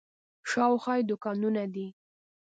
شاوخوا یې دوکانونه دي.